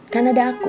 kan ada aku